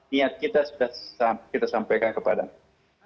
niat kita sudah kita sampaikan kepadamu